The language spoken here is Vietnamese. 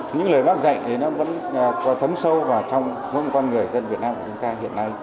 những lời bác dạy ấy nó vẫn có thấm sâu vào trong mỗi một con người dân việt nam của chúng ta hiện nay